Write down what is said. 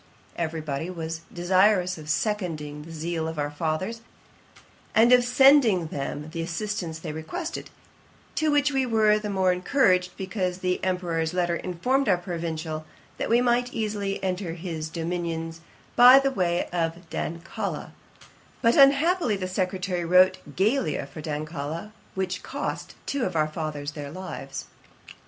Every body was very desirous of seconding the zeal of our fathers, and of sending them the assistance they requested; to which we were the more encouraged, because the Emperour's letter informed our Provincial, that we might easily enter his dominions by the way of Dancala; but, unhappily, the secretary wrote Geila for Dancala, which cost two of our fathers their lives.'